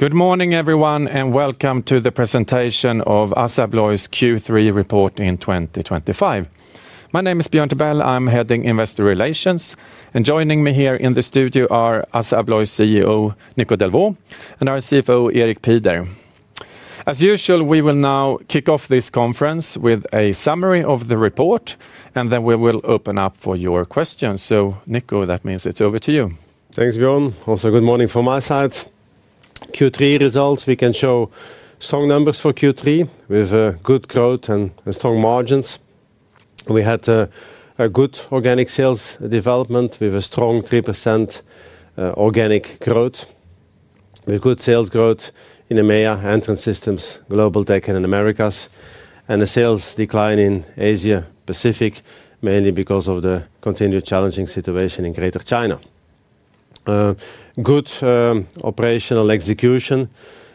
Good morning, everyone, and welcome to the presentation of ASSA ABLOY's Q3 report in 2025. My name is Björn Tibell. I'm heading Investor Relations, and joining me here in the studio are ASSA ABLOY CEO Nico Delvaux and our CFO Erik Pieder. As usual, we will now kick off this conference with a summary of the report, and then we will open up for your questions. Nico, that means it's over to you. Thanks, Björn. Also, good morning from my side. Q3 results, we can show strong numbers for Q3 with good growth and strong margins. We had a good organic sales development with a strong 3% organic growth. We had good sales growth in EMEA Entrance Systems, Global Tech in the Americas, and a sales decline in Asia Pacific, mainly because of the continued challenging situation in Greater China. Good operational execution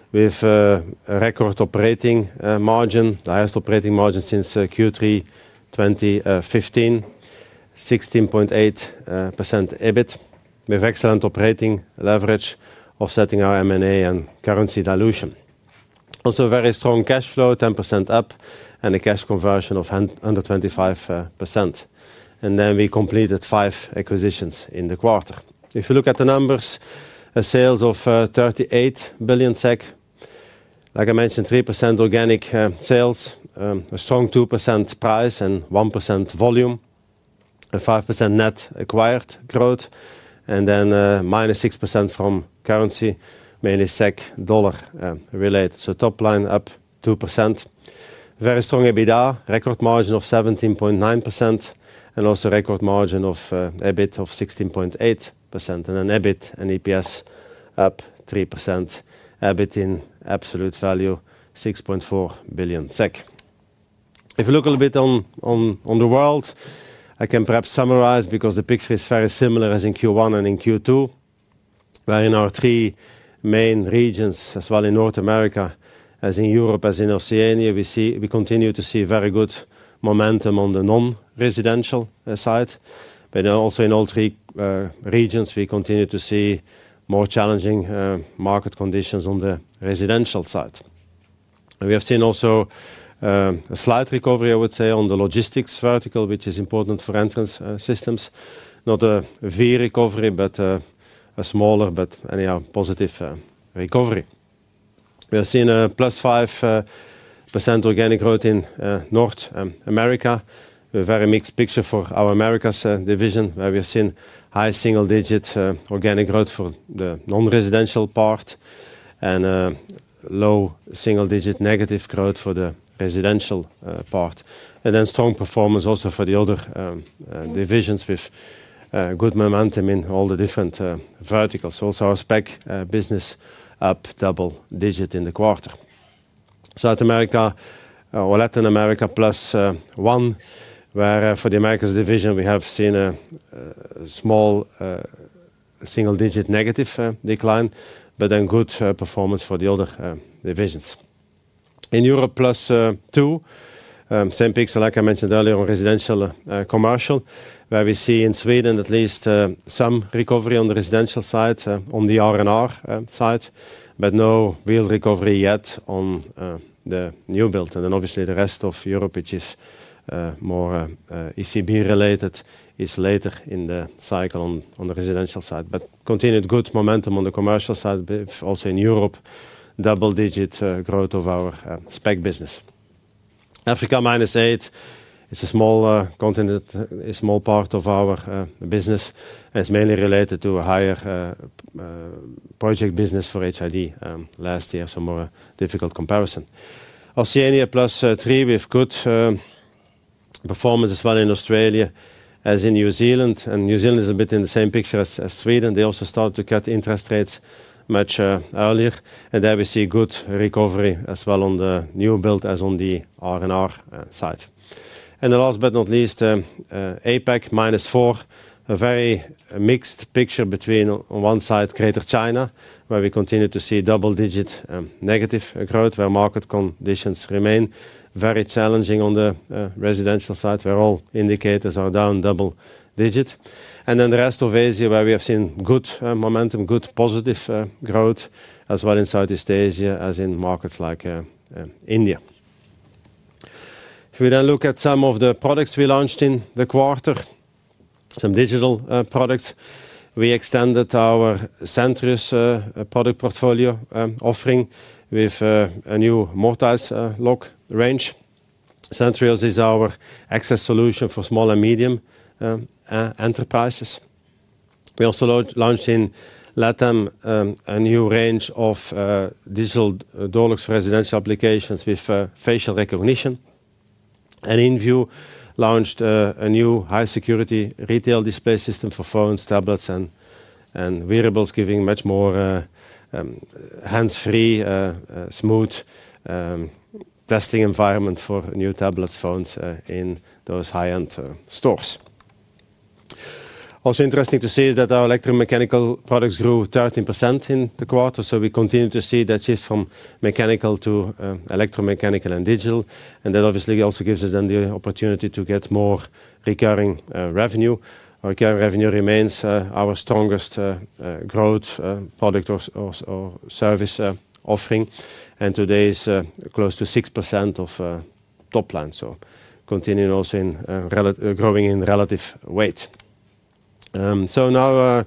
with a record operating margin, the highest operating margin since Q3 2015, 16.8% EBIT, with excellent operating leverage offsetting our M&A and currency dilution. Also, very strong cash flow, 10% up, and a cash conversion of under 25%. We completed five acquisitions in the quarter. If you look at the numbers, sales of 38 billion SEK. Like I mentioned, 3% organic sales, a strong 2% price and 1% volume, a 5% net acquired growth, and then -6% from currency, mainly SEK dollar related. Top line up 2%. Very strong EBITDA, record margin of 17.9%, and also record margin of EBIT of 16.8%. EBIT and EPS up 3%. EBIT in absolute value 6.4 billion SEK. If you look a little bit on the world, I can perhaps summarize because the picture is very similar as in Q1 and in Q2. In our three main regions, as well in North America, as in Europe, as in Oceania, we continue to see very good momentum on the non-residential side. In all three regions, we continue to see more challenging market conditions on the residential side. We have seen also a slight recovery, I would say, on the logistics vertical, which is important for Entrance Systems. Not a V recovery, but a smaller, but anyhow positive recovery. We have seen a +5% organic growth in North America, a very mixed picture for our Americas division, where we have seen high single-digit organic growth for the non-residential part and low single-digit negative growth for the residential part. Strong performance also for the other divisions with good momentum in all the different verticals. Our spec business up double digit in the quarter. South America or Latin America +1%, where for the Americas division, we have seen a small single-digit negative decline, but good performance for the other divisions. In Europe +2%, same picture, like I mentioned earlier, on residential commercial, where we see in Sweden at least some recovery on the residential side, on the R&R side, but no real recovery yet on the new build. Obviously, the rest of Europe, which is more ECB related, is later in the cycle on the residential side. Continued good momentum on the commercial side, also in Europe, double-digit growth of our spec business. Africa -8%, it's a small continent, a small part of our business. It's mainly related to a higher project business for HID last year, so more difficult comparison. Oceania +3% with good performance as well in Australia as in New Zealand. New Zealand is a bit in the same picture as Sweden. They also started to cut interest rates much earlier. There we see good recovery as well on the new build as on the R&R side. Last but not least, APAC -4%, a very mixed picture between on one side, Greater China, where we continue to see double-digit negative growth, where market conditions remain very challenging on the residential side, where all indicators are down double-digit. The rest of Asia, where we have seen good momentum, good positive growth, as well in Southeast Asia as in markets like India. If we then look at some of the products we launched in the quarter, some digital products, we extended our Centrios product portfolio offering with a new mortise lock range. Centrios is our access solution for small and medium enterprises. We also launched in Latin America a new range of digital door locks for residential applications with facial recognition. In InVue, we launched a new high-security retail display system for phones, tablets, and wearables, giving much more hands-free, smooth testing environment for new tablets, phones in those high-end stores. Also interesting to see is that our electromechanical products grew 13% in the quarter. We continue to see that shift from mechanical to electromechanical and digital. That obviously also gives us the opportunity to get more recurring revenue. Our recurring revenue remains our strongest growth product or service offering and today is close to 6% of top line, continuing also in growing in relative weight. Now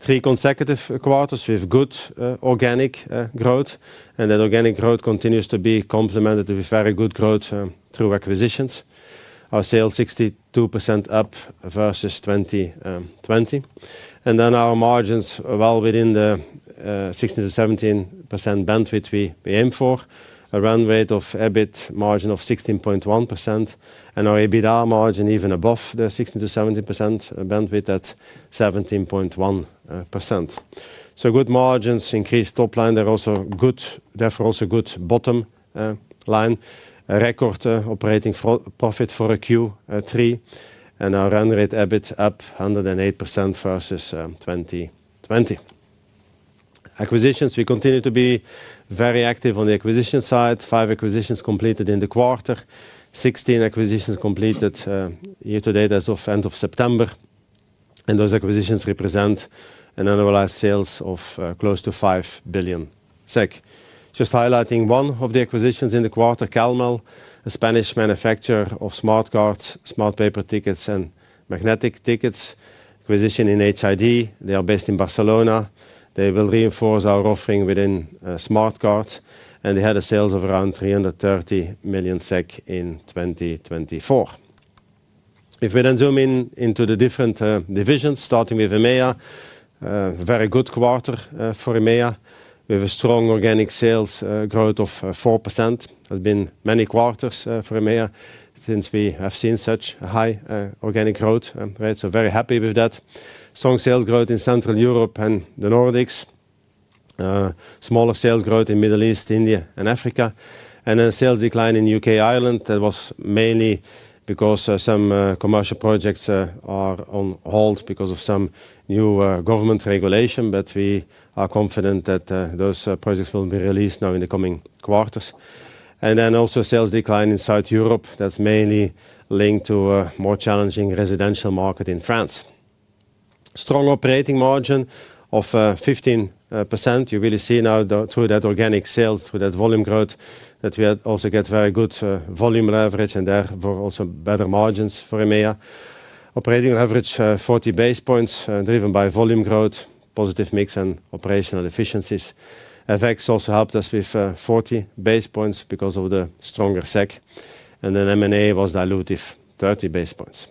three consecutive quarters with good organic growth. That organic growth continues to be complemented with very good growth through acquisitions. Our sales are 62% up versus 2020. Our margins are well within the 16%-17% bandwidth we aim for, a run rate of EBIT margin of 16.1%. Our EBITDA margin even above the 16%-17% bandwidth at 17.1%. Good margins, increased top line, therefore also good bottom line. Record operating profit for a Q3. Our run rate EBIT up 108% versus 2020. Acquisitions, we continue to be very active on the acquisition side. Five acquisitions completed in the quarter. Sixteen acquisitions completed year-to-date as of end of September. Those acquisitions represent an annualized sales of close to 5 billion SEK. Just highlighting one of the acquisitions in the quarter, Calmell, a Spanish manufacturer of smart cards, smart paper tickets, and magnetic tickets. Acquisition in HID. They are based in Barcelona. They will reinforce our offering within smart cards. They had sales of around 330 million SEK in 2024. If we then zoom in into the different divisions, starting with EMEA, a very good quarter for EMEA. We have a strong organic sales growth of 4%. It has been many quarters for EMEA since we have seen such high organic growth rates. Very happy with that. Strong sales growth in Central Europe and the Nordics. Smaller sales growth in the Middle East, India, and Africa. A sales decline in the U.K. and Ireland. That was mainly because some commercial projects are on hold because of some new government regulation. We are confident that those projects will be released now in the coming quarters. There was also a sales decline in Southern Europe. That's mainly linked to a more challenging residential market in France. Strong operating margin of 15%. You really see now through that organic sales, through that volume growth, that we also get very good volume leverage and therefore also better margins for EMEA. Operating leverage 40 basis points driven by volume growth, positive mix, and operational efficiencies. FX also helped us with 40 basis points because of the stronger SEK. M&A was dilutive, 30 basis points.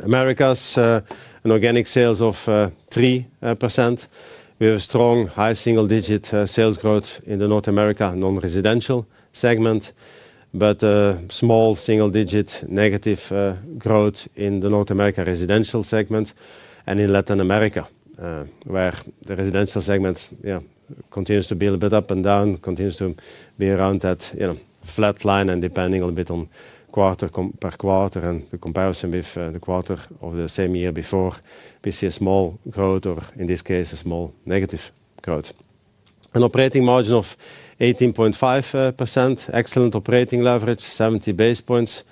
Americas, an organic sales of 3%. We have a strong high single-digit sales growth in the North America non-residential segment, but a small single-digit negative growth in the North America residential segment. In Latin America, where the residential segment continues to be a little bit up and down, continues to be around that flat line. Depending a little bit on quarter per quarter and the comparison with the quarter of the same year before, we see a small growth or in this case a small negative growth. An operating margin of 18.5%. Excellent operating leverage, 70 basis points.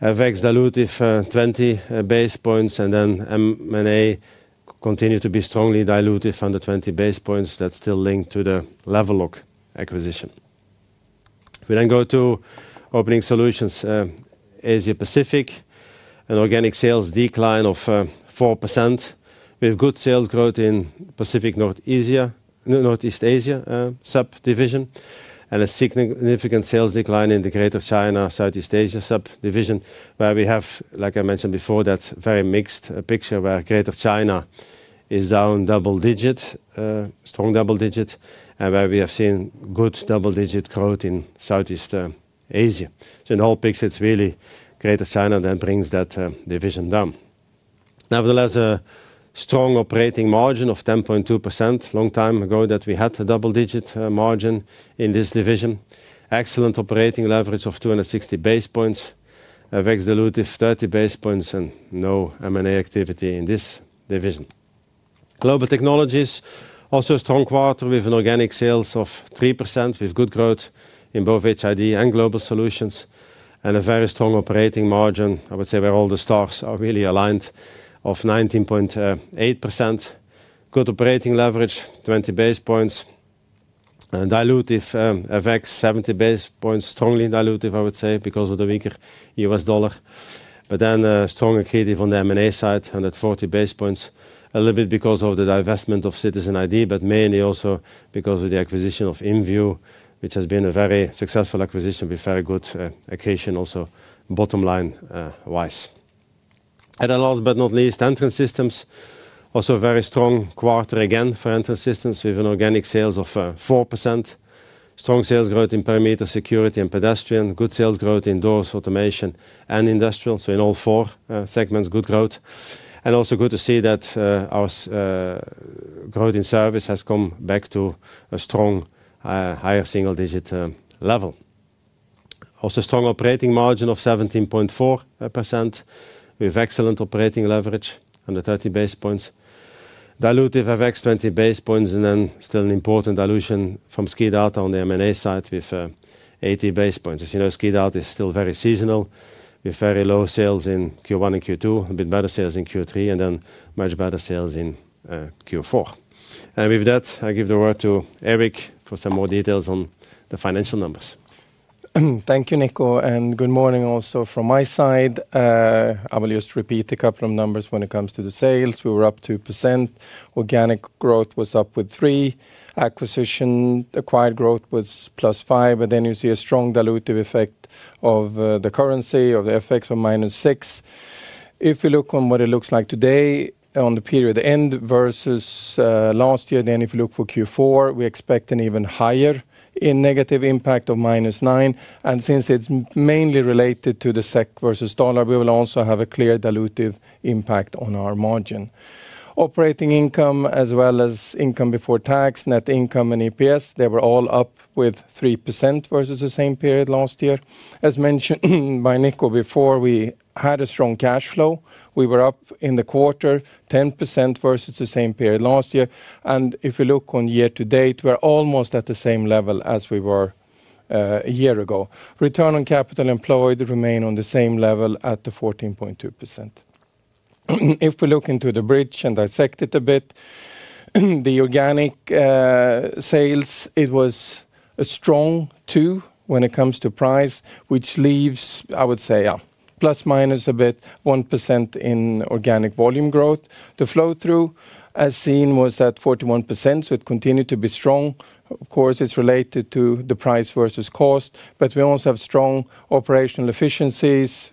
FX dilutive, 20 basis points. M&A continues to be strongly dilutive, under 20 basis points. That's still linked to the Level Lock acquisition. If we then go to Opening Solutions, Asia Pacific, an organic sales decline of 4%. We have good sales growth in Pacific Northeast Asia subdivision, and a significant sales decline in the Greater China, Southeast Asia subdivision, where we have, like I mentioned before, that very mixed picture where Greater China is down double digit, strong double digit, and where we have seen good double digit growth in Southeast Asia. In the whole picture, it's really Greater China that brings that division down. Nevertheless, a strong operating margin of 10.2%. Long time ago that we had a double-digit margin in this division. Excellent operating leverage of 260 basis points. FX dilutive, 30 basis points, and no M&A activity in this division. Global Technologies, also a strong quarter with an organic sales of 3% with good growth in both HID and Global Solutions, and a very strong operating margin, I would say where all the stars are really aligned, of 19.8%. Good operating leverage, 20 basis points. Dilutive FX, 70 basis points, strongly dilutive, I would say, because of the weaker U.S. dollar. Strong acquisition on the M&A side, 140 basis points. A little bit because of the divestment of Citizen ID, but mainly also because of the acquisition of InVue, which has been a very successful acquisition with very good acquisition also bottom line wise. Last but not least, Entrance Systems. Also a very strong quarter again for Entrance Systems with an organic sales of 4%. Strong sales growth in perimeter security and pedestrian. Good sales growth in doors, automation, and industrial. In all four segments, good growth. Also good to see that our growth in service has come back to a strong higher single-digit level. Also a strong operating margin of 17.4%. We have excellent operating leverage, under 30 basis points. Dilutive FX, 20 basis points. Still an important dilution from SKIDATA on the M&A side with 80 basis points. As you know, SKIDATA is still very seasonal with very low sales in Q1 and Q2, a bit better sales in Q3, and then much better sales in Q4. With that, I give the word to Erik for some more details on the financial numbers. Thank you, Nico, and good morning also from my side. I will just repeat a couple of numbers when it comes to the sales. We were up 2%. Organic growth was up with 3%. Acquisition, acquired growth was +5%. You see a strong dilutive effect of the currency, of the FX, of -6%. If you look on what it looks like today on the period end versus last year, if you look for Q4, we expect an even higher negative impact of -9%. Since it's mainly related to the SEK versus dollar, we will also have a clear dilutive impact on our margin. Operating income, as well as income before tax, net income, and EPS, they were all up with 3% versus the same period last year. As mentioned by Nico before, we had a strong cash flow. We were up in the quarter 10% versus the same period last year. If you look on year-to-date, we're almost at the same level as we were a year ago. Return on capital employed remained on the same level at 14.2%. If we look into the bridge and dissect it a bit, the organic sales, it was a strong 2% when it comes to price, which leaves, I would say, plus minus a bit, 1% in organic volume growth. The flow-through as seen was at 41%, so it continued to be strong. Of course, it's related to the price versus cost, but we also have strong operational efficiencies.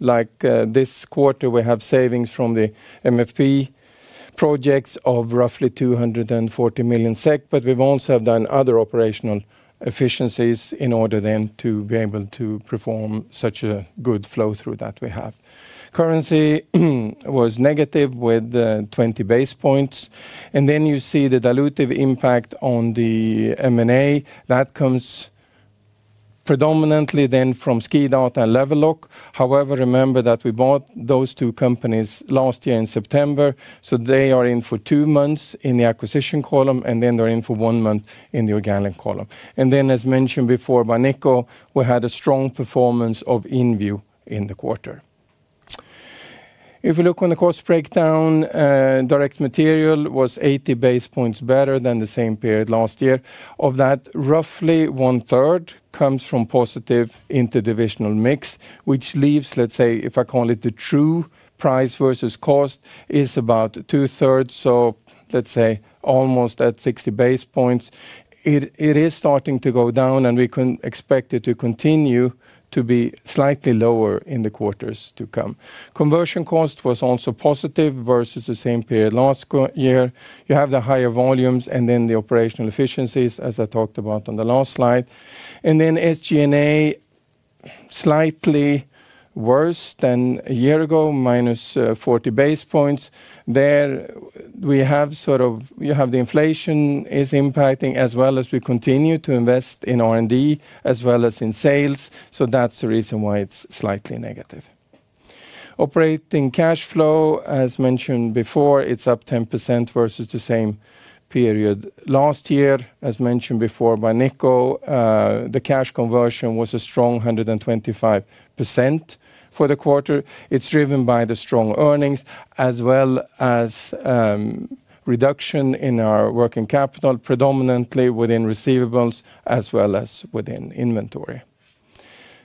Like this quarter, we have savings from the MFP projects of roughly 240 million SEK. We've also done other operational efficiencies in order then to be able to perform such a good flow-through that we have. Currency was negative with 20 basis points. You see the dilutive impact on the M&A. That comes predominantly from SKIDATA and Level Lock. However, remember that we bought those two companies last year in September. They are in for two months in the acquisition column, and then they're in for one month in the organic column. As mentioned before by Nico, we had a strong performance of InVue in the quarter. If you look on the cost breakdown, direct material was 80 basis points better than the same period last year. Of that, roughly 1/3 comes from positive interdivisional mix, which leaves, let's say, if I call it the true price versus cost, is about 2/3. Let's say almost at 60 basis points. It is starting to go down, and we can expect it to continue to be slightly lower in the quarters to come. Conversion cost was also positive versus the same period last year. You have the higher volumes and then the operational efficiencies, as I talked about on the last slide. SG&A, slightly worse than a year ago, -40 basis points. There we have sort of, you have the inflation is impacting as well as we continue to invest in R&D as well as in sales. That's the reason why it's slightly negative. Operating cash flow, as mentioned before, it's up 10% versus the same period last year. As mentioned before by Nico, the cash conversion was a strong 125% for the quarter. It's driven by the strong earnings, as well as a reduction in our working capital, predominantly within receivables as well as within inventory.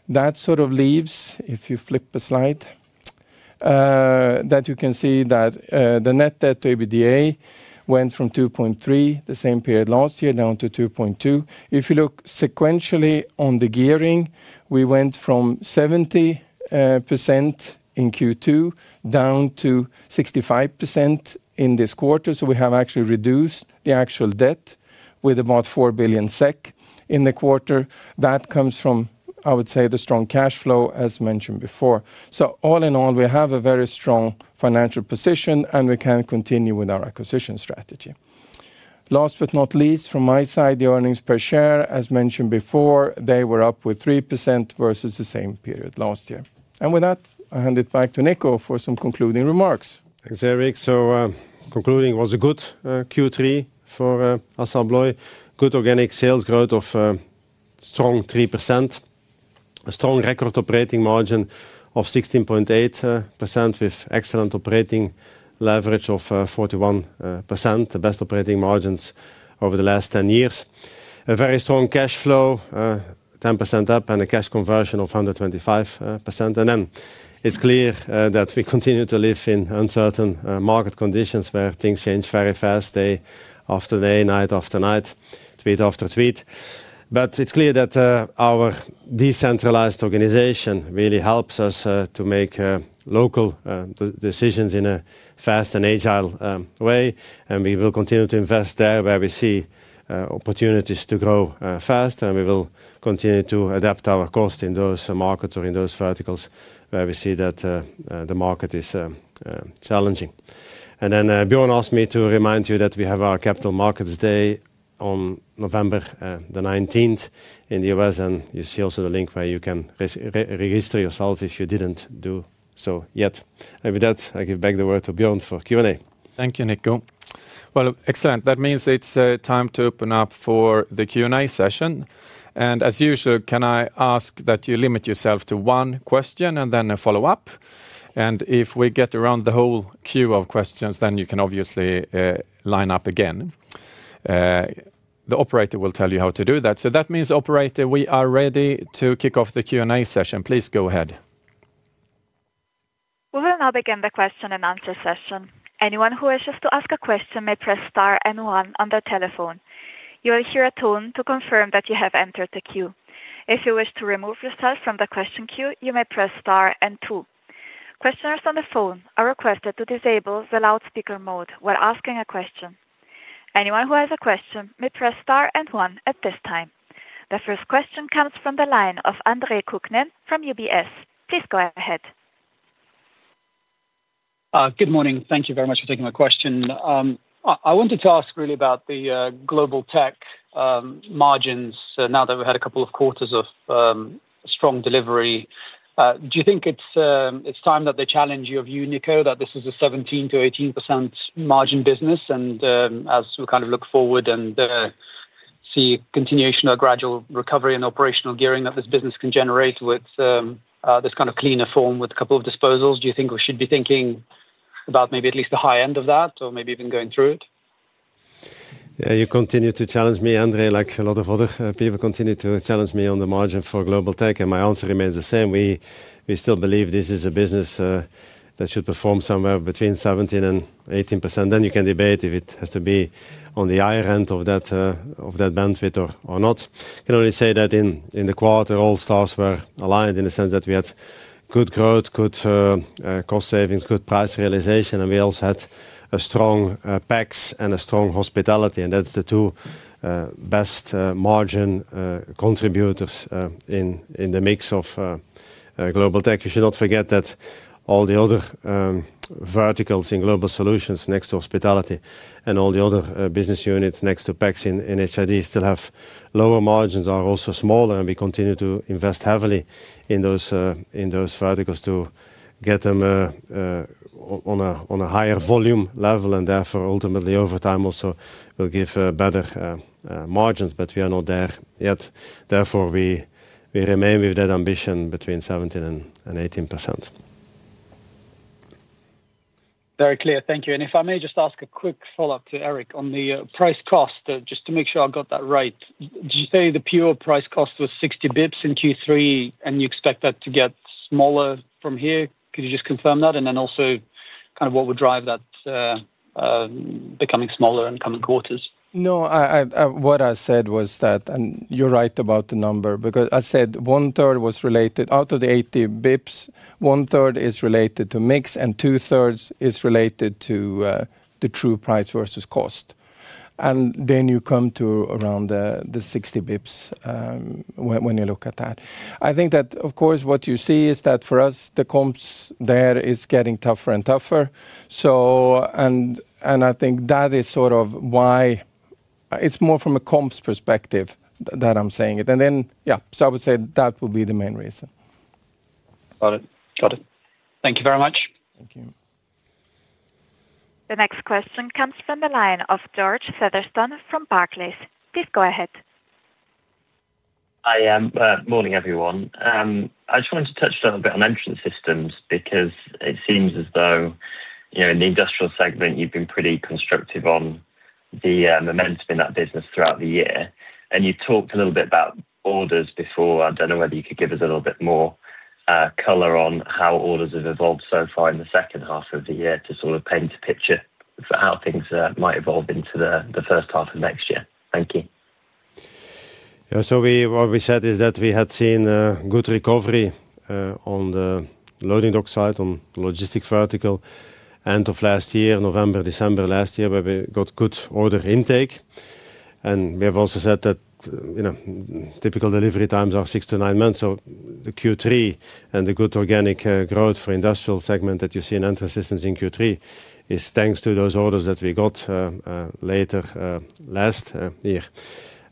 That sort of leaves, if you flip the slide, that you can see that the net debt to EBITDA went from 2.3x the same period last year down to 2.2x. If you look sequentially on the gearing, we went from 70% in Q2 down to 65% in this quarter. We have actually reduced the actual debt with about 4 billion SEK in the quarter. That comes from, I would say, the strong cash flow, as mentioned before. All in all, we have a very strong financial position, and we can continue with our acquisition strategy. Last but not least, from my side, the earnings per share, as mentioned before, they were up with 3% versus the same period last year. With that, I hand it back to Nico for some concluding remarks. Thanks, Erik. Concluding, it was a good Q3 for ASSA ABLOY. Good organic sales growth of a strong 3%. A strong record operating margin of 16.8% with excellent operating leverage of 41%. The best operating margins over the last 10 years. A very strong cash flow, 10% up, and a cash conversion of 125%. It is clear that we continue to live in uncertain market conditions where things change very fast, day after day, night after night, tweet after tweet. It is clear that our decentralized organization really helps us to make local decisions in a fast and agile way. We will continue to invest there where we see opportunities to grow fast. We will continue to adapt our cost in those markets or in those verticals where we see that the market is challenging. Björn asked me to remind you that we have our Capital Markets Day on November 19th in the U.S. You see also the link where you can register yourself if you didn't do so yet. With that, I give back the word to Björn for Q&A. Thank you, Nico. Excellent. That means it's time to open up for the Q&A session. As usual, can I ask that you limit yourself to one question and then a follow-up? If we get around the whole queue of questions, you can obviously line up again. The operator will tell you how to do that. That means, operator, we are ready to kick off the Q&A session. Please go ahead. We will now begin the question and answer session. Anyone who wishes to ask a question may press star and one on their telephone. You will hear a tone to confirm that you have entered the queue. If you wish to remove yourself from the question queue, you may press star and two. Questioners on the phone are requested to disable the loudspeaker mode while asking a question. Anyone who has a question may press star and one at this time. The first question comes from the line of Andre Kukhnin from UBS. Please go ahead. Good morning. Thank you very much for taking my question. I wanted to ask really about the Global Technologies margins now that we've had a couple of quarters of strong delivery. Do you think it's time that they challenge your view, Nico, that this is a 17%-18% margin business? As we kind of look forward and see a continuation of gradual recovery and operational gearing that this business can generate with this kind of cleaner form with a couple of disposals, do you think we should be thinking about maybe at least the high end of that or maybe even going through it? Yeah, you continue to challenge me, Andrei, like a lot of other people continue to challenge me on the margin for Global Technologies. My answer remains the same. We still believe this is a business that should perform somewhere between 17% and 18%. You can debate if it has to be on the higher end of that bandwidth or not. I can only say that in the quarter, all stars were aligned in the sense that we had good growth, good cost savings, good price realization. We also had a strong PACS and a strong hospitality. That's the two best margin contributors in the mix of Global Tech. You should not forget that all the other verticals in Global Solutions next to hospitality and all the other business units next to PACS in HID still have lower margins and are also smaller. We continue to invest heavily in those verticals to get them on a higher volume level. Therefore, ultimately, over time, also will give better margins. We are not there yet. Therefore, we remain with that ambition between 17% and 18%. Very clear. Thank you. If I may just ask a quick follow-up to Erik on the price cost, just to make sure I got that right. Did you say the pure price cost was 60 bps in Q3 and you expect that to get smaller from here? Could you just confirm that? Also, what would drive that becoming smaller in the coming quarters? No, what I said was that, and you're right about the number, because I said 1/3 was related out of the 80 bps, 1/3 is related to mix and 2/3 is related to the true price versus cost. You come to around the 60 bps when you look at that. I think that, of course, what you see is that for us, the comps there are getting tougher and tougher. I think that is sort of why it's more from a comps perspective that I'm saying it. I would say that would be the main reason. Got it. Thank you very much. Thank you. The next question comes from the line of George Featherstone from Barclays. Please go ahead. Hi, yeah, morning everyone. I just wanted to touch a little bit on Entrance Systems because it seems as though, you know, in the industrial segment, you've been pretty constructive on the momentum in that business throughout the year. You talked a little bit about orders before. I don't know whether you could give us a little bit more color on how orders have evolved so far in the second half of the year to sort of paint a picture for how things might evolve into the first half of next year. Thank you. Yeah, what we said is that we had seen a good recovery on the loading dock side, on the logistic vertical end of last year, November, December last year, where we got good order intake. We have also said that, you know, typical delivery times are six to nine months. The Q3 and the good organic growth for the industrial segment that you see in entrance systems in Q3 is thanks to those orders that we got later last year.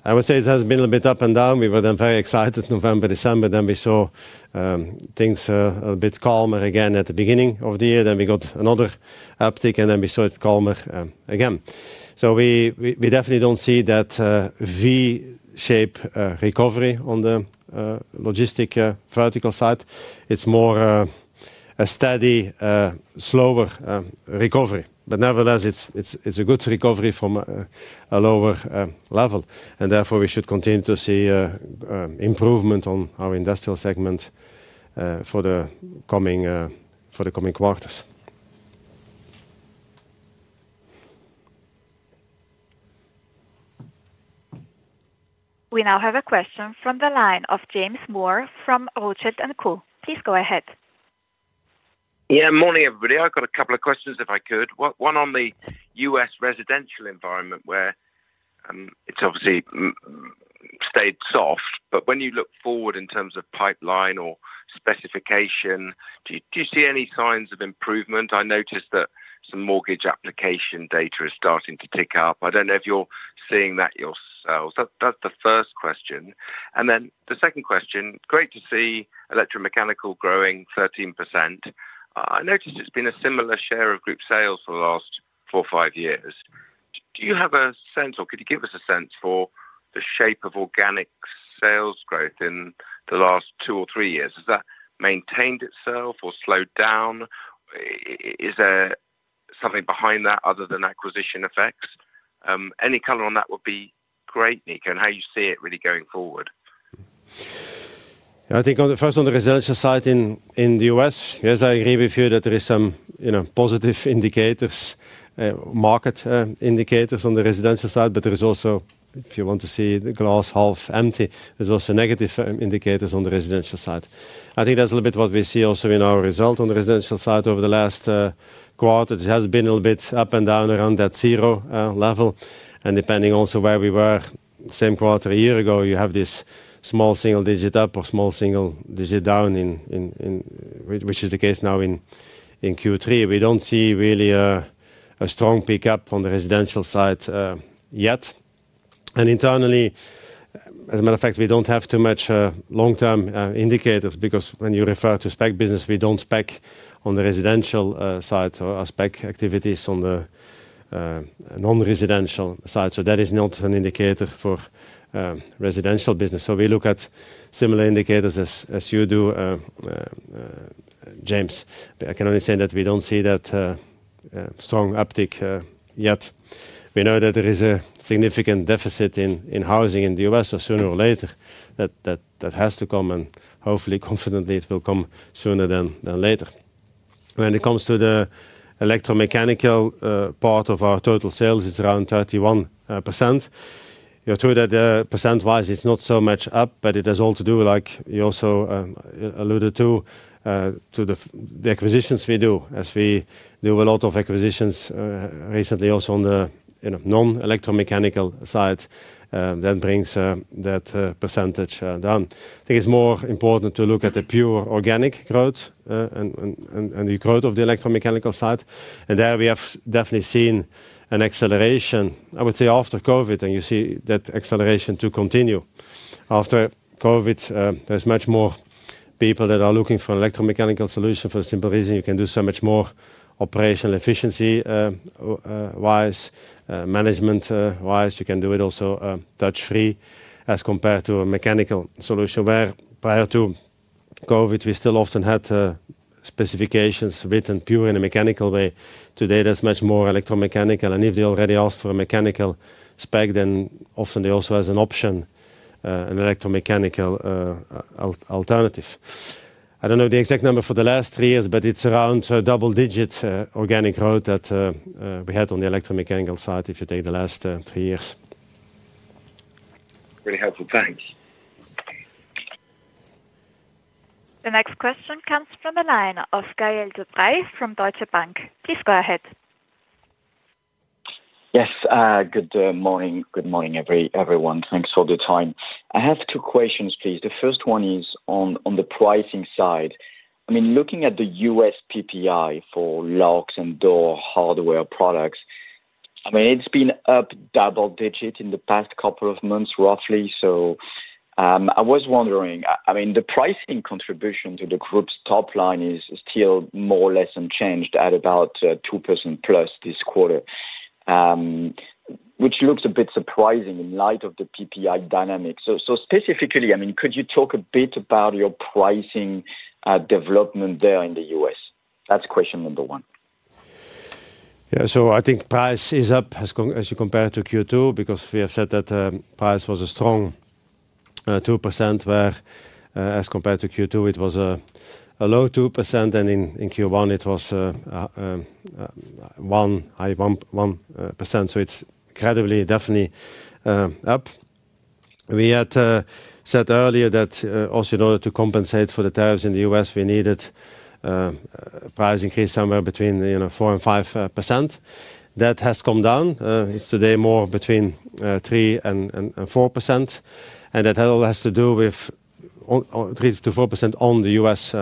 I would say it has been a little bit up and down. We were then very excited in November, December. We saw things a little bit calmer again at the beginning of the year. We got another uptick and we saw it calmer again. We definitely don't see that V-shaped recovery on the logistic vertical side. It's more a steady, slower recovery. Nevertheless, it's a good recovery from a lower level. Therefore, we should continue to see improvement on our industrial segment for the coming quarters. We now have a question from the line of James Moore from Redburn Partners. Please go ahead. Yeah, morning everybody. I've got a couple of questions if I could. One on the U.S. residential environment where it's obviously stayed soft. When you look forward in terms of pipeline or specification, do you see any signs of improvement? I noticed that some mortgage application data is starting to tick up. I don't know if you're seeing that yourselves. That's the first question. The second question, great to see electromechanical growing 13%. I noticed it's been a similar share of group sales for the last four or five years. Do you have a sense or could you give us a sense for the shape of organic sales growth in the last two or three years? Has that maintained itself or slowed down? Is there something behind that other than acquisition effects? Any color on that would be great, Nico, and how you see it really going forward. I think first on the residential side in the U.S., yes, I agree with you that there are some positive indicators, market indicators on the residential side. There is also, if you want to see the glass half empty, negative indicators on the residential side. I think that's a little bit what we see also in our result on the residential side over the last quarter. It has been a little bit up and down around that zero level. Depending also where we were the same quarter a year ago, you have this small single-digit up or small single-digit down, which is the case now in Q3. We don't see really a strong pickup on the residential side yet. Internally, as a matter of fact, we don't have too much long-term indicators because when you refer to spec business, we don't spec on the residential side. Our spec activity is on the non-residential side. That is not an indicator for residential business. We look at similar indicators as you do, James. I can only say that we don't see that strong uptick yet. We know that there is a significant deficit in housing in the U.S., so sooner or later, that has to come. Hopefully, confidently, it will come sooner than later. When it comes to the electromechanical part of our total sales, it's around 31%. You're true that % wise, it's not so much up, but it has all to do, like you also alluded to, with the acquisitions we do, as we do a lot of acquisitions recently also on the non-electromechanical side. That brings that percentage down. I think it's more important to look at the pure organic growth and the growth of the electromechanical side. There we have definitely seen an acceleration, I would say, after COVID. You see that acceleration continue. After COVID, there's much more people that are looking for an electromechanical solution for the simple reason you can do so much more operational efficiency-wise, management-wise. You can do it also touch-free as compared to a mechanical solution where prior to COVID, we still often had specifications written pure in a mechanical way. Today, there's much more electromechanical. If they already asked for a mechanical spec, then often they also have an option, an electromechanical alternative. I don't know the exact number for the last three years, but it's around double-digit organic growth that we had on the electromechanical side if you take the last three years. Really helpful, thanks. The next question comes from the line of Gael de-Bray from Deutsche Bank. Please go ahead. Yes, good morning. Good morning everyone. Thanks for the time. I have two questions, please. The first one is on the pricing side. I mean, looking at the U.S. PPI for locks and door hardware products, it's been up double digit in the past couple of months, roughly. I was wondering, the pricing contribution to the group's top line is still more or less unchanged at about 2%+ this quarter, which looks a bit surprising in light of the PPI dynamics. Specifically, could you talk a bit about your pricing development there in the U.S.? That's question number one. Yeah, so I think price is up as you compare it to Q2 because we have said that price was a strong 2% whereas compared to Q2, it was a low 2%. In Q1, it was 1%. So it's definitely up. We had said earlier that also in order to compensate for the tariffs in the U.S., we needed a price increase somewhere between 4% and 5%. That has come down. It's today more between 3% and 4%. That all has to do with 3%-4% on the U.S.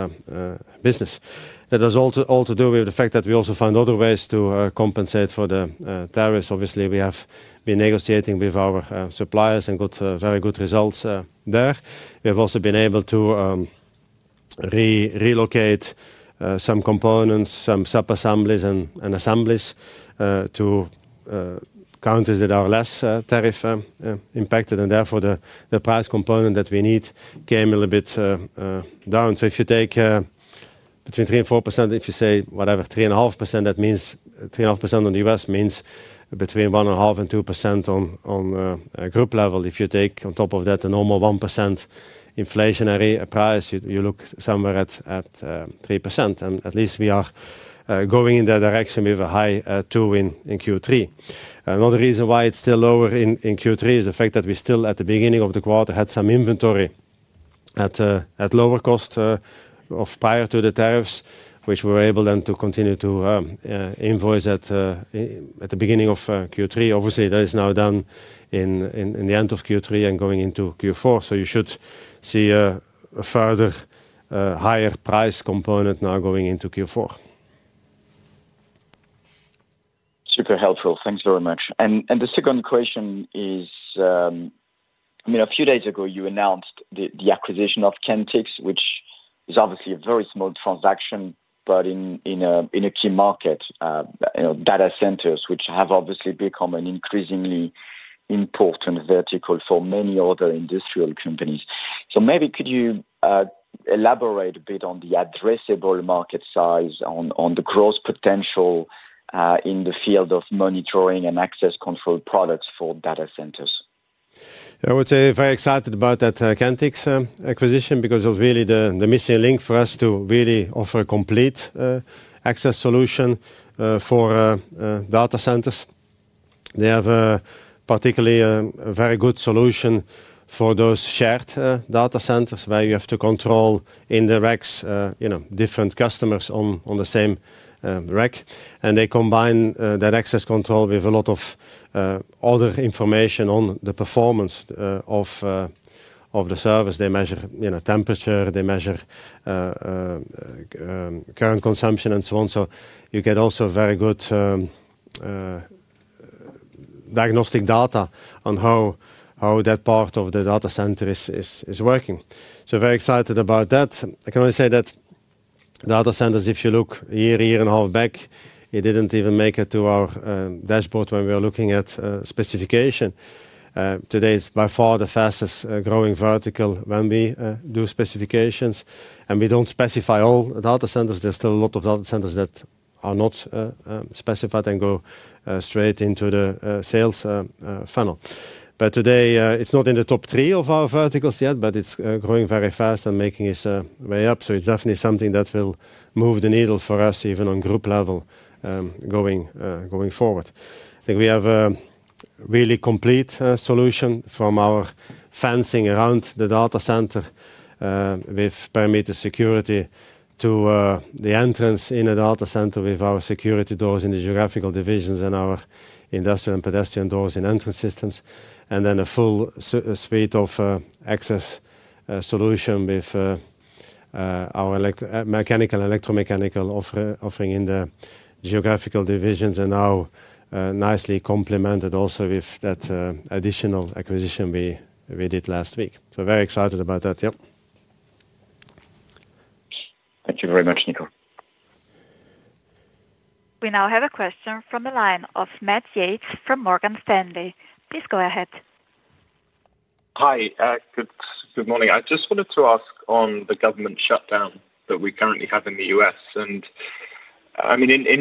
business. That has all to do with the fact that we also find other ways to compensate for the tariffs. Obviously, we have been negotiating with our suppliers and got very good results there. We have also been able to relocate some components, some subassemblies and assemblies to countries that are less tariff impacted. Therefore, the price component that we need came a little bit down. If you take between 3% and 4%, if you say whatever, 3.5%, that means 3.5% on the U.S. means between 1.5% and 2% on a group level. If you take on top of that a normal 1% inflationary price, you look somewhere at 3%. At least we are going in that direction with a high 2% in Q3. Another reason why it's still lower in Q3 is the fact that we still at the beginning of the quarter had some inventory at lower costs prior to the tariffs, which we were able then to continue to invoice at the beginning of Q3. Obviously, that is now done in the end of Q3 and going into Q4. You should see a further higher price component now going into Q4. Super helpful. Thanks very much. The second question is, a few days ago, you announced the acquisition of Kentix, which is obviously a very small transaction, but in a key market, you know, data centers, which have obviously become an increasingly important vertical for many other industrial companies. Maybe could you elaborate a bit on the addressable market size and the growth potential in the field of monitoring and access control products for data centers? I would say very excited about that Kentix acquisition because it was really the missing link for us to really offer a complete access solution for data centers. They have a particularly very good solution for those shared data centers where you have to control in the racks, you know, different customers on the same rack. They combine that access control with a lot of other information on the performance of the service. They measure, you know, temperature, they measure current consumption, and so on. You get also very good diagnostic data on how that part of the data center is working. Very excited about that. I can only say that data centers, if you look a year, year and a half back, it didn't even make it to our dashboard when we were looking at specification. Today, it's by far the fastest growing vertical when we do specifications. We don't specify all data centers. There's still a lot of data centers that are not specified and go straight into the sales funnel. Today, it's not in the top three of our verticals yet, but it's growing very fast and making its way up. It's definitely something that will move the needle for us, even on group level, going forward. I think we have a really complete solution from our fencing around the data center with perimeter security to the entrance in a data center with our security doors in the geographical divisions and our industrial and pedestrian doors in entrance systems. Then a full suite of access solution with our mechanical and electromechanical offering in the geographical divisions and now nicely complemented also with that additional acquisition we did last week. Very excited about that. Yeah. Thank you very much, Nico. We now have a question from the line of Max Yates from Morgan Stanley. Please go ahead. Hi, good morning. I just wanted to ask on the government shutdown that we currently have in the U.S. In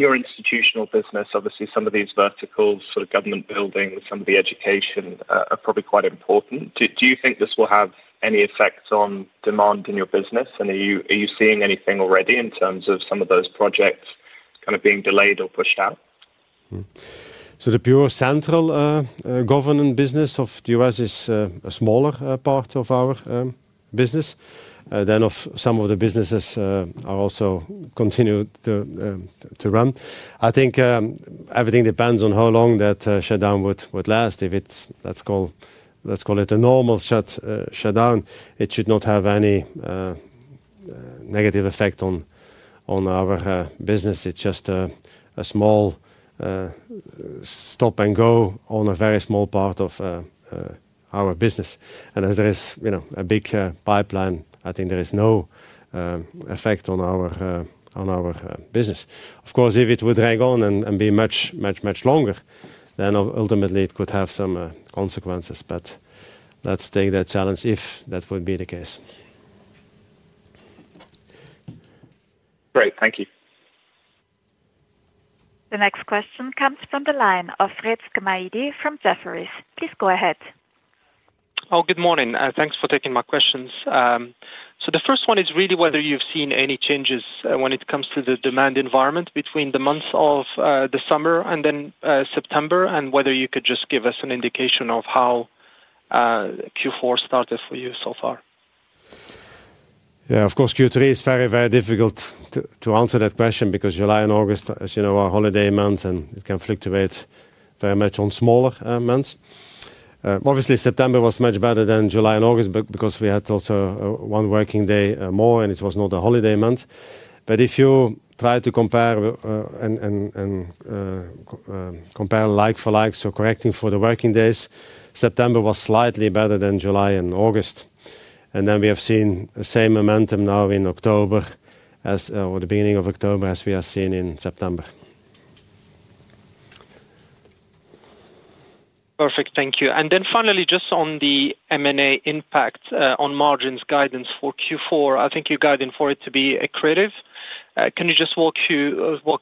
your institutional business, obviously, some of these verticals, sort of government building, some of the education are probably quite important. Do you think this will have any effect on demand in your business? Are you seeing anything already in terms of some of those projects kind of being delayed or pushed out? The Bureau of Central Government business of the U.S. is a smaller part of our business than some of the businesses are also continuing to run. I think everything depends on how long that shutdown would last. If it's, let's call it a normal shutdown, it should not have any negative effect on our business. It's just a small stop and go on a very small part of our business. As there is a big pipeline, I think there is no effect on our business. Of course, if it would drag on and be much, much, much longer, then ultimately it could have some consequences. Let's take that challenge if that would be the case. Great, thank you. The next question comes from the line of Rizk Maidi from Jefferies. Please go ahead. Good morning. Thanks for taking my questions. The first one is really whether you've seen any changes when it comes to the demand environment between the months of the summer and then September, and whether you could just give us an indication of how Q4 started for you so far. Yeah, of course, Q3 is very, very difficult to answer that question because July and August, as you know, are holiday months, and it can fluctuate very much on smaller months. Obviously, September was much better than July and August because we had also one working day more, and it was not a holiday month. If you try to compare and compare like for like, so correcting for the working days, September was slightly better than July and August. We have seen the same momentum now in October or the beginning of October, as we have seen in September. Perfect, thank you. Finally, just on the M&A impact on margins guidance for Q4, I think you're guiding for it to be accretive. Can you just walk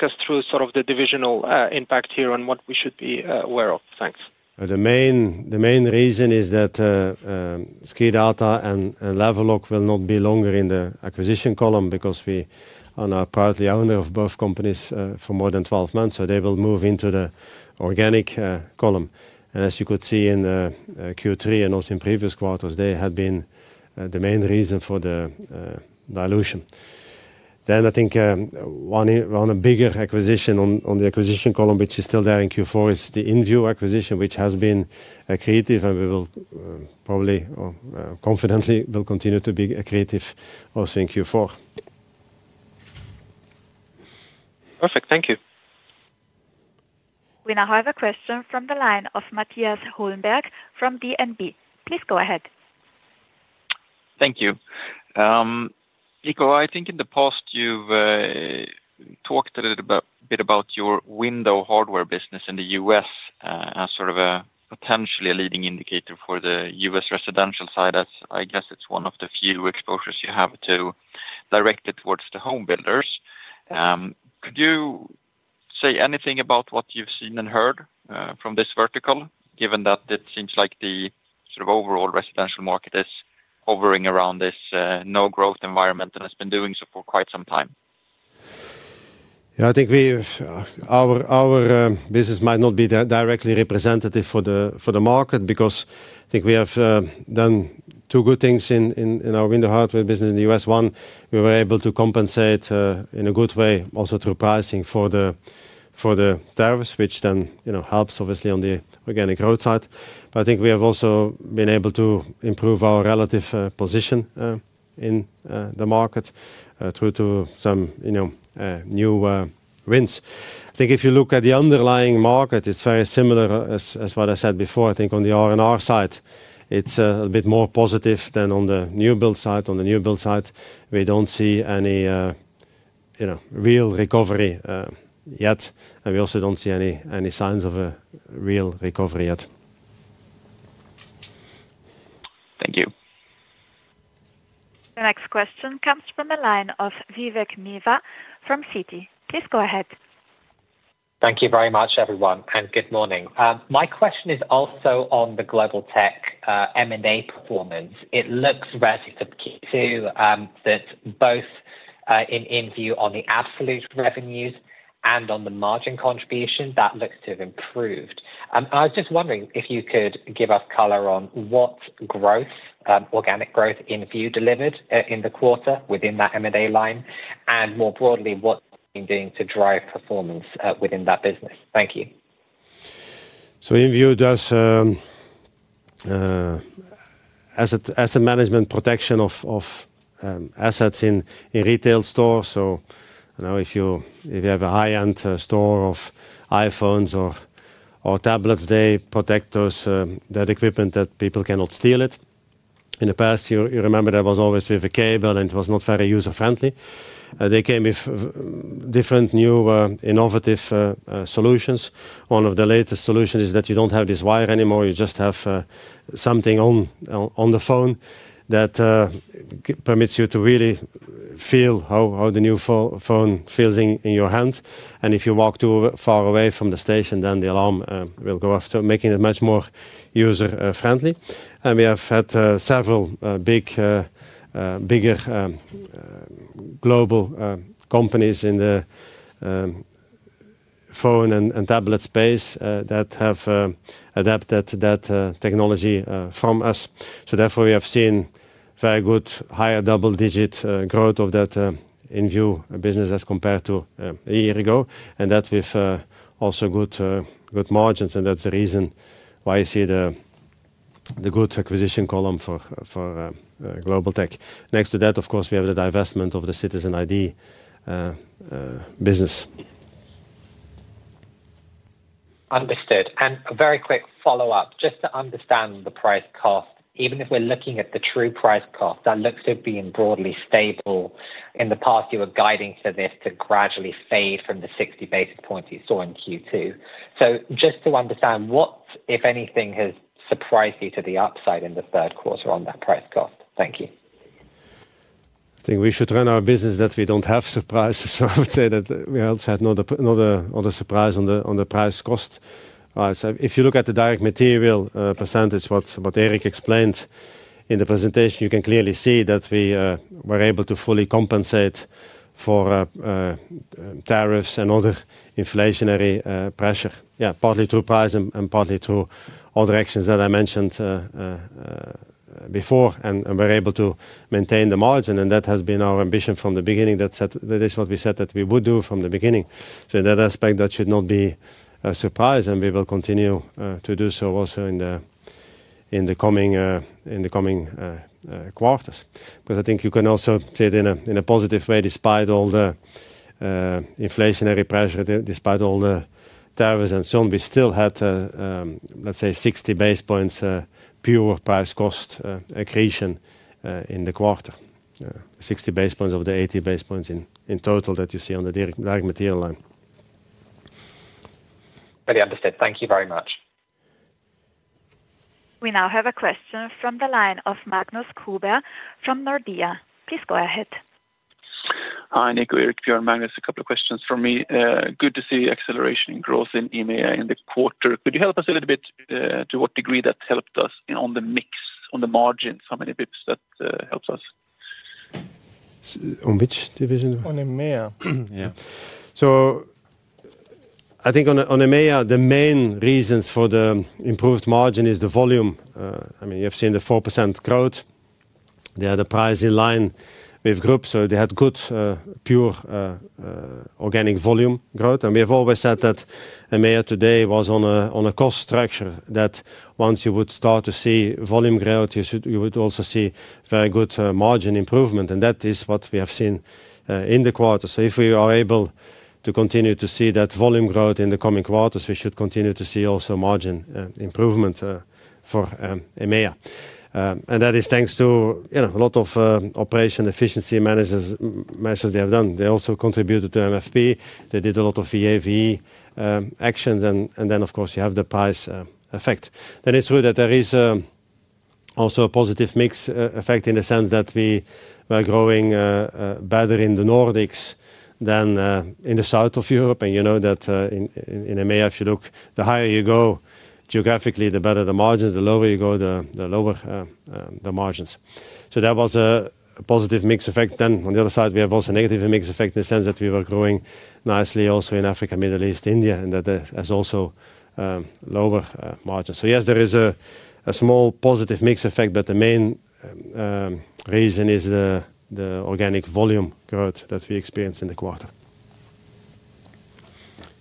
us through sort of the divisional impact here on what we should be aware of? Thanks. The main reason is that SKIDATA and Level Lock will no longer be in the acquisition column because we are now proudly owner of both companies for more than 12 months. They will move into the organic column. As you could see in Q3 and also in previous quarters, they had been the main reason for the dilution. I think one bigger acquisition on the acquisition column, which is still there in Q4, is the InVue acquisition, which has been accretive. We will probably, confidently, continue to be accretive also in Q4. Perfect, thank you. We now have a question from the line of Mattias Holmberg from DNB. Please go ahead. Thank you. Nico, I think in the past you've talked a little bit about your window hardware business in the U.S. as sort of potentially a leading indicator for the U.S. residential side, as I guess it's one of the few exposures you have directly towards the home builders. Could you say anything about what you've seen and heard from this vertical, given that it seems like the overall residential market is hovering around this no-growth environment and has been doing so for quite some time? Yeah, I think our business might not be directly representative for the market because I think we have done two good things in our window hardware business in the U.S. One, we were able to compensate in a good way also through pricing for the tariffs, which then helps obviously on the organic growth side. I think we have also been able to improve our relative position in the market through some new wins. If you look at the underlying market, it's very similar as what I said before. I think on the R&R side, it's a bit more positive than on the new build side. On the new build side, we don't see any real recovery yet. We also don't see any signs of a real recovery yet. Thank you. The next question comes from the line of Vivek Midha from Citi. Please go ahead. Thank you very much, everyone, and good morning. My question is also on the Global Tech's M&A performance. It looks relatively, too, that both in InVue on the absolute revenues and on the margin contribution, that looks to have improved. I was just wondering if you could give us color on what organic growth InVue delivered in the quarter within that M&A line, and more broadly, what they've been doing to drive performance within that business. Thank you. InVue does asset management protection of assets in retail stores. If you have a high-end store of iPhones or tablets, they protect that equipment so people cannot steal it. In the past, you remember there was always a cable and it was not very user-friendly. They came with different new innovative solutions. One of the latest solutions is that you don't have this wire anymore. You just have something on the phone that permits you to really feel how the new phone feels in your hand. If you walk too far away from the station, then the alarm will go off, making it much more user-friendly. We have had several bigger global companies in the phone and tablet space that have adapted that technology from us. Therefore, we have seen very good higher double-digit growth of that InVue business as compared to a year ago, and that with also good margins. That's the reason why you see the good acquisition column for Global Tech. Next to that, of course, we have the divestment of the Citizen ID business. Understood. A very quick follow-up, just to understand the price cost. Even if we're looking at the true price cost, that looks to have been broadly stable. In the past, you were guiding for this to gradually fade from the 60 basis points you saw in Q2. Just to understand what, if anything, has surprised you to the upside in the third quarter on that price cost. Thank you. I think we should run our business that we don't have surprises. I would say that we also had not a surprise on the price cost. If you look at the direct material percentage, what Erik explained in the presentation, you can clearly see that we were able to fully compensate for tariffs and other inflationary pressure, partly through price and partly through all directions that I mentioned before. We were able to maintain the margin, and that has been our ambition from the beginning. That is what we said that we would do from the beginning. In that aspect, that should not be a surprise. We will continue to do so also in the coming quarters. I think you can also see it in a positive way. Despite all the inflationary pressure, despite all the tariffs and so on, we still had, let's say, 60 basis points pure price cost accretion in the quarter. 60 basis points of the 80 basis points in total that you see on the direct material line. Very understood. Thank you very much. We now have a question from the line of Magnus Kruber from Nordea. Please go ahead. Hi, Nico, Erik, Björn, Magnus, a couple of questions from me. Good to see acceleration in growth in EMEA in the quarter. Could you help us a little bit to what degree that helped us on the mix, on the margins, how many bps that helps us? On which division? On EMEA. Yeah. I think on EMEA, the main reasons for the improved margin is the volume. I mean, you have seen the 4% growth. They had a price in line with groups, so they had good pure organic volume growth. We have always said that EMEA today was on a cost structure that once you would start to see volume growth, you would also see very good margin improvement. That is what we have seen in the quarter. If we are able to continue to see that volume growth in the coming quarters, we should continue to see also margin improvement for EMEA. That is thanks to a lot of operational efficiency measures they have done. They also contributed to MFP. They did a lot of EAV actions. Of course, you have the price effect. It is true that there is also a positive mix effect in the sense that we were growing better in the Nordics than in the south of Europe. You know that in EMEA, if you look, the higher you go geographically, the better the margins. The lower you go, the lower the margins. That was a positive mix effect. On the other side, we have also a negative mix effect in the sense that we were growing nicely also in Africa, Middle East, India, and that has also lower margins. Yes, there is a small positive mix effect, but the main reason is the organic volume growth that we experienced in the quarter.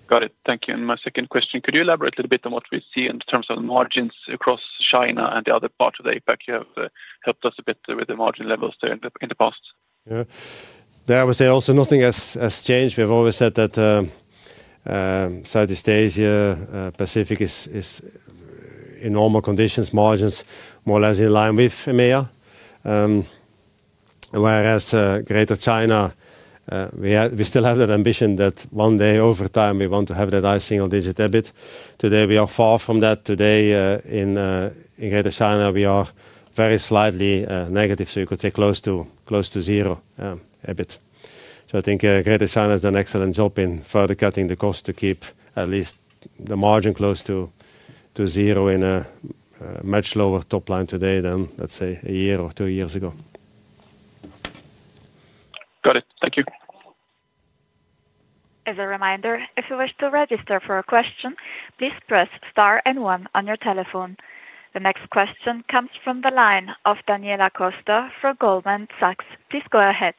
Got it. Thank you. My second question, could you elaborate a little bit on what we see in terms of margins across Greater China and the other part of the Asia Pacific? You have helped us a bit with the margin levels there in the past. Yeah, I would say also nothing has changed. We have always said that Southeast Asia, Pacific is in normal conditions, margins more or less in line with EMEA. Whereas Greater China, we still have that ambition that one day over time, we want to have that high single-digit EBIT. Today, we are far from that. Today in Greater China, we are very slightly negative. You could say close to zero EBIT. I think Greater China has done an excellent job in further cutting the cost to keep at least the margin close to zero in a much lower top line today than, let's say, a year or two years ago. Got it. Thank you. As a reminder, if you wish to register for a question, please press star and one on your telephone. The next question comes from the line of Daniela Costa from Goldman Sachs. Please go ahead.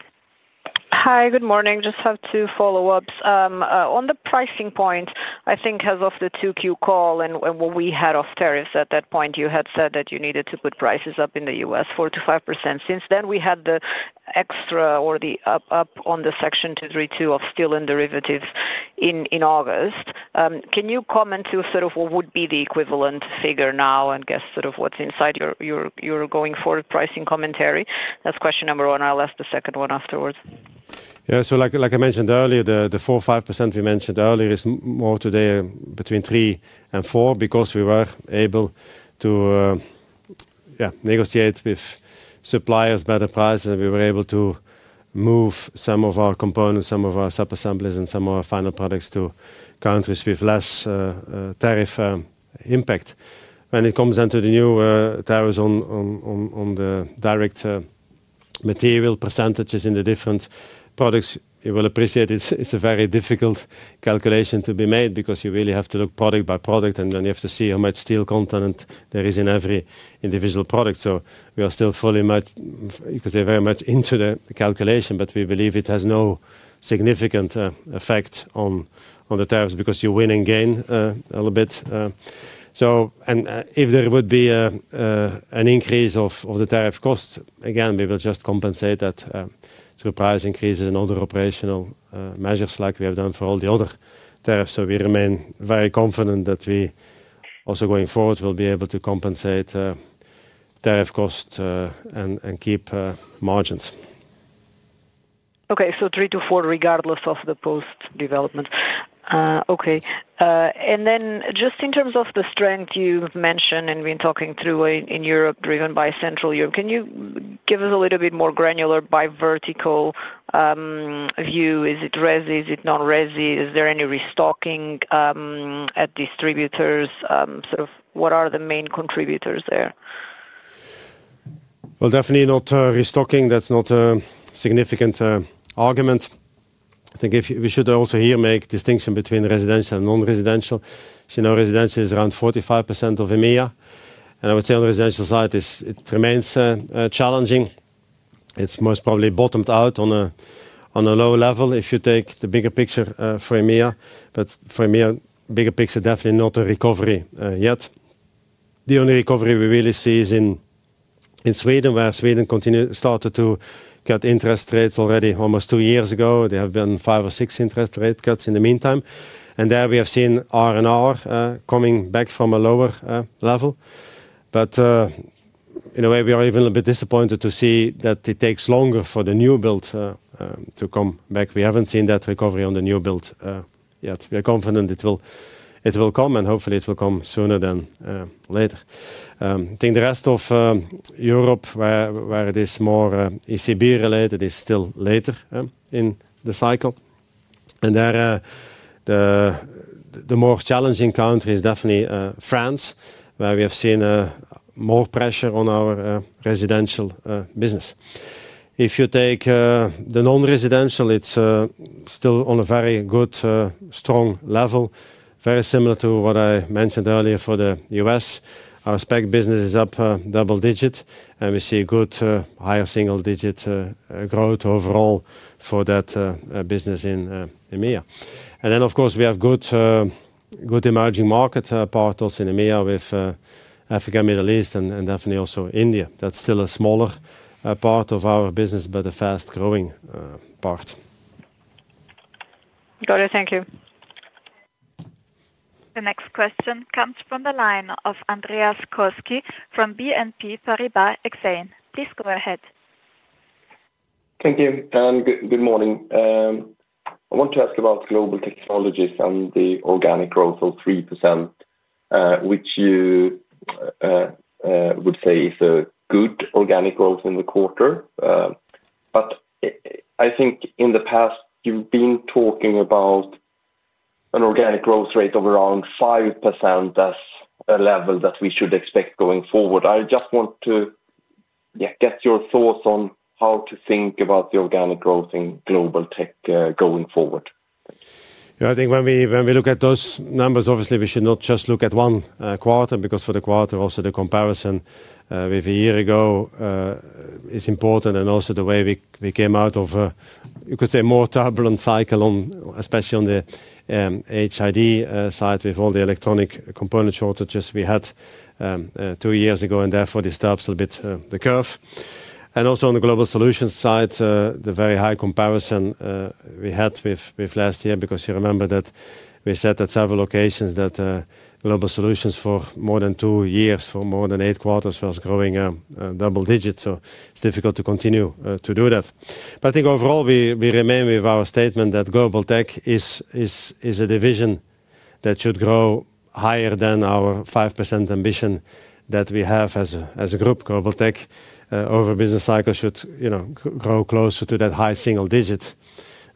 Hi, good morning. Just have two follow-ups. On the pricing point, I think as of the Q2 call and what we had austerities at that point, you had said that you needed to put prices up in the U.S. 4%-5%. Since then, we had the extra or the up-up on the Section 232 of steel and derivatives in August. Can you comment to sort of what would be the equivalent figure now and guess sort of what's inside your going forward pricing commentary? That's question number one. I'll ask the second one afterwards. Yeah, like I mentioned earlier, the 4% or 5% we mentioned earlier is more today between 3% and 4% because we were able to negotiate with suppliers better prices. We were able to move some of our components, some of our subassemblies, and some of our final products to countries with less tariff impact. When it comes down to the new tariffs on the direct material percentages in the different products, you will appreciate it's a very difficult calculation to be made because you really have to look product by product. You have to see how much steel content there is in every individual product. We are still very much into the calculation, but we believe it has no significant effect on the tariffs because you win and gain a little bit. If there would be an increase of the tariff cost, again, we will just compensate that through price increases and other operational measures like we have done for all the other tariffs. We remain very confident that we also going forward will be able to compensate tariff cost and keep margins. Okay, so 3%-4% regardless of the post-development. Okay. In terms of the strength you mentioned and have been talking through in Europe, driven by Central Europe, can you give us a little bit more granular by vertical view? Is it resi? Is it non-resi? Is there any restocking at distributors? What are the main contributors there? That's not a significant argument. I think we should also here make a distinction between residential and non-residential. As you know, residential is around 45% of EMEA. I would say on the residential side, it remains challenging. It's most probably bottomed out on a low level if you take the bigger picture for EMEA. For EMEA, the bigger picture is definitely not a recovery yet. The only recovery we really see is in Sweden, where Sweden started to cut interest rates already almost two years ago. There have been five or six interest rate cuts in the meantime. There we have seen R&R coming back from a lower level. In a way, we are even a little bit disappointed to see that it takes longer for the new build to come back. We haven't seen that recovery on the new build yet. We are confident it will come, and hopefully it will come sooner than later. I think the rest of Europe, where it is more ECB-related, is still later in the cycle. The more challenging country is definitely France, where we have seen more pressure on our residential business. If you take the non-residential, it's still on a very good, strong level, very similar to what I mentioned earlier for the U.S. Our spec business is up double digit, and we see good higher single-digit growth overall for that business in EMEA. Of course, we have good emerging market partners in EMEA with Africa, Middle East, and definitely also India. That's still a smaller part of our business, but a fast growing part. Got it. Thank you. The next question comes from the line of Andreas Koski from BNP Paribas Exane. Please go ahead. Thank you. Good morning. I want to ask about Global Technologies and the organic growth of 3%, which you would say is a good organic growth in the quarter. I think in the past, you've been talking about an organic growth rate of around 5% as a level that we should expect going forward. I just want to get your thoughts on how to think about the organic growth in Global Tech going forward. Yeah, I think when we look at those numbers, obviously, we should not just look at one quarter because for the quarter, also the comparison with a year ago is important. Also, the way we came out of, you could say, a more turbulent cycle, especially on the HID side with all the electronic component shortages we had two years ago. Therefore, this turns a little bit the curve. Also, on the global solutions side, the very high comparison we had with last year, because you remember that we said at several occasions that Global Solutions for more than two years, for more than eight quarters, was growing double digits. It's difficult to continue to do that. I think overall, we remain with our statement that Global Tech is a division that should grow higher than our 5% ambition that we have as a group. Global Tech over business cycles should grow closer to that high single digit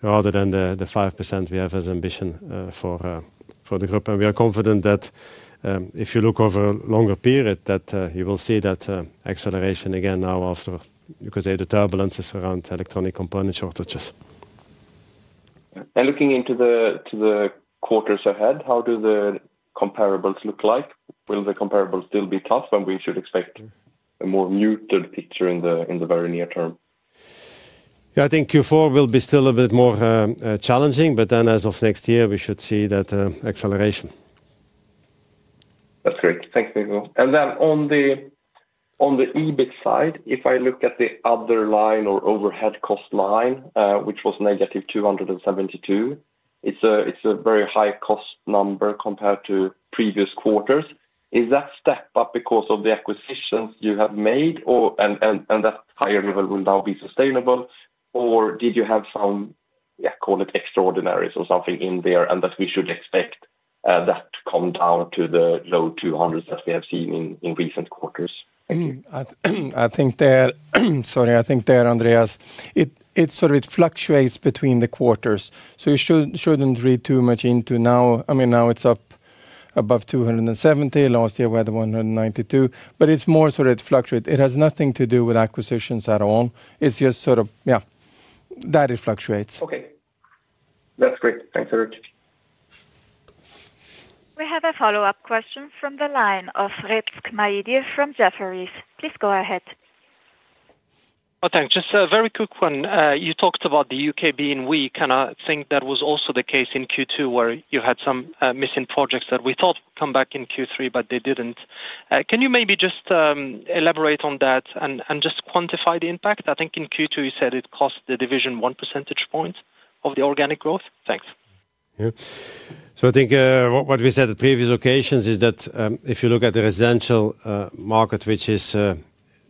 rather than the 5% we have as ambition for the group. We are confident that if you look over a longer period, you will see that acceleration again now after, you could say, the turbulences around electronic component shortages. Looking into the quarters ahead, how do the comparables look like? Will the comparables still be tough when we should expect a more muted picture in the very near-term? I think Q4 will be still a bit more challenging, but then as of next year, we should see that acceleration. That's great. Thanks, Nico. If I look at the EBIT side, if I look at the other line or overhead cost line, which was -$272 million, it's a very high cost number compared to previous quarters. Is that step up because of the acquisitions you have made and that higher level will now be sustainable? Did you have some, yeah, call it extraordinaries or something in there and that we should expect that to come down to the low $200 million that we have seen in recent quarters? I think there, Andreas, it sort of fluctuates between the quarters. You shouldn't read too much into now. I mean, now it's up above 270 million. Last year, we had 192 million. It's more so that it fluctuates. It has nothing to do with acquisitions at all. It's just that it fluctuates. Okay. That's great. Thanks, Erik. We have a follow-up question from the line of Rizk Maidi from Jefferies. Please go ahead. Thanks. Just a very quick one. You talked about the UK being weak. I think that was also the case in Q2 where you had some missing projects that we thought would come back in Q3, but they didn't. Can you maybe just elaborate on that and just quantify the impact? I think in Q2, you said it cost the division 1 percentage point of the organic growth. Thanks. Yeah. I think what we said at previous occasions is that if you look at the residential market, which is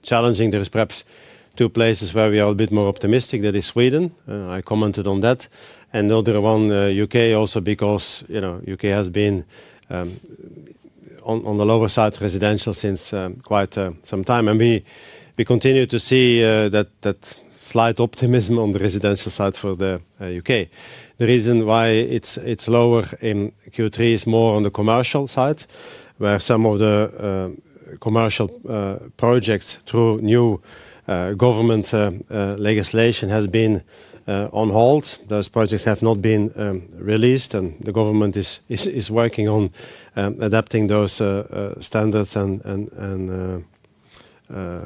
challenging, there are perhaps two places where we are a bit more optimistic. That is Sweden. I commented on that. The other one, U.K., also because U.K. has been on the lower side residential since quite some time. We continue to see that slight optimism on the residential side for the U.K. The reason why it's lower in Q3 is more on the commercial side, where some of the commercial projects through new government legislation have been on hold. Those projects have not been released. The government is working on adapting those standards and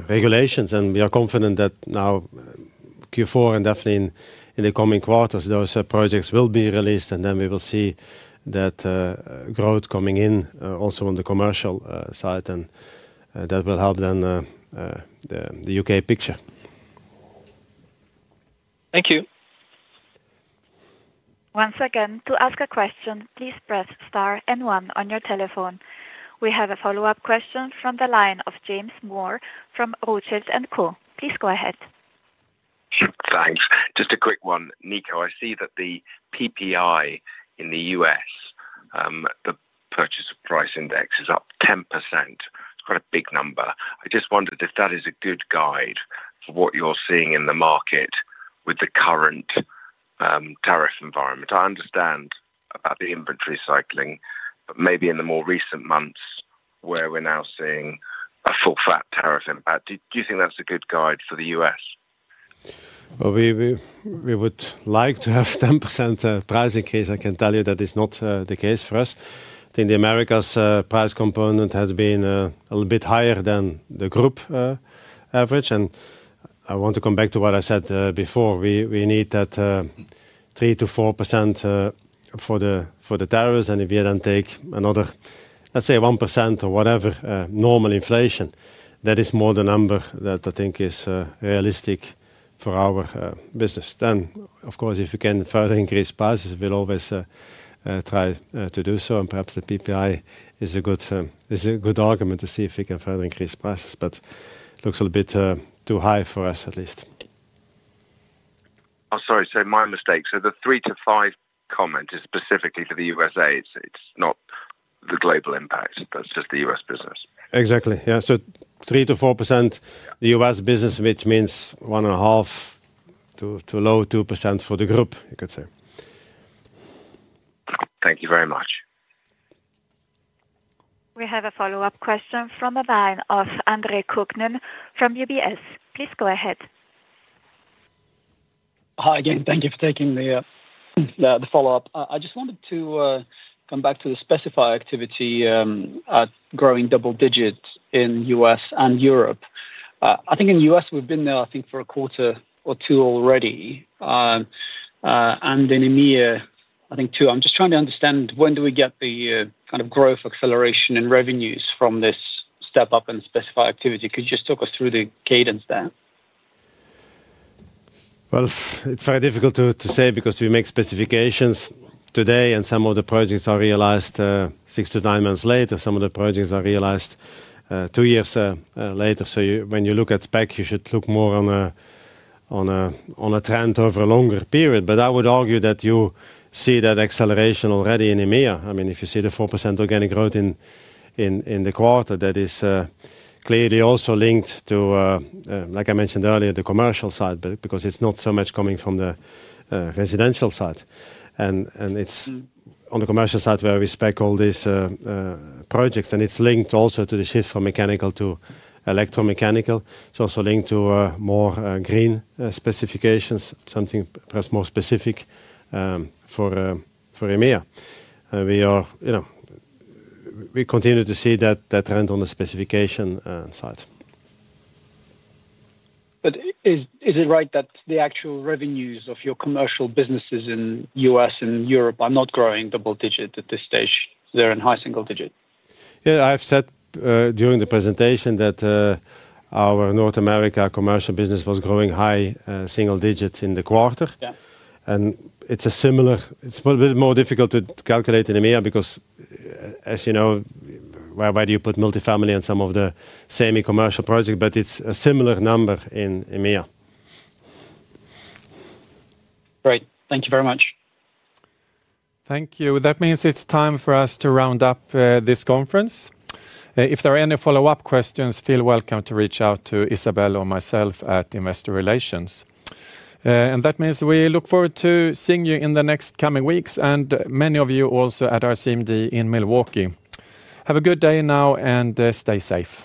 regulations. We are confident that now Q4 and definitely in the coming quarters, those projects will be released. We will see that growth coming in also on the commercial side. That will help then the U.K. picture. Thank you. Once again, to ask a question, please press star and one on your telephone. We have a follow-up question from the line of James Moore from Redburn Partners. Please go ahead. Sure. Thanks. Just a quick one. Nico, I see that the PPI in the U.S., the purchase price index, is up 10%. It's quite a big number. I just wondered if that is a good guide for what you're seeing in the market with the current tariff environment. I understand about the inventory cycling, but maybe in the more recent months where we're now seeing a full-fat tariff impact. Do you think that's a good guide for the U.S.? We would like to have a 10% price increase. I can tell you that it's not the case for us. I think the Americas price component has been a little bit higher than the group average. I want to come back to what I said before. We need that 3%-4% for the tariffs. If you then take another, let's say, 1% or whatever normal inflation, that is more the number that I think is realistic for our business. Of course, if we can further increase prices, we'll always try to do so. Perhaps the PPI is a good argument to see if we can further increase prices. It looks a little bit too high for us, at least. Sorry, my mistake. The 3%-5% comment is specifically for the U.S. It's not the global impact. That's just the U.S. business. Exactly. Yeah. 3%-4%, the U.S. business, which means 1.5% to low 2% for the group, you could say. Thank you very much. We have a follow-up question from the line of Andre Kukhnin from UBS. Please go ahead. Hi again. Thank you for taking the follow-up. I just wanted to come back to the specify activity at growing double digits in the U.S. and Europe. I think in the U.S., we've been there, I think, for a quarter or two already. In EMEA, I think, too. I'm just trying to understand when do we get the kind of growth acceleration in revenues from this step up in specify activity? Could you just talk us through the cadence there? It's very difficult to say because we make specifications today, and some of the projects are realized six to nine months later. Some of the projects are realized two years later. When you look at spec, you should look more on a trend over a longer period. I would argue that you see that acceleration already in EMEA. If you see the 4% organic growth in the quarter, that is clearly also linked to, like I mentioned earlier, the commercial side, because it's not so much coming from the residential side. It's on the commercial side where we spec all these projects. It's linked also to the shift from mechanical to electromechanical. It's also linked to more green specifications, something perhaps more specific for EMEA. We continue to see that trend on the specification side. Is it right that the actual revenues of your commercial businesses in the U.S. and Europe are not growing double digit at this stage? They're in high single digit. I've said during the presentation that our North America commercial business was growing high single digits in the quarter. It's a little bit more difficult to calculate in EMEA because, as you know, why do you put multifamily on some of the semi-commercial projects? It's a similar number in EMEA. Right. Thank you very much. Thank you. That means it's time for us to round up this conference. If there are any follow-up questions, feel welcome to reach out to Isabel or myself at Investor Relations. We look forward to seeing you in the next coming weeks, and many of you also at our CMD in Milwaukee. Have a good day now and stay safe.